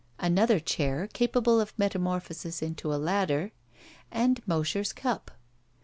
Another chair capable of meta morphosis into a ladder. And Mosher's cup.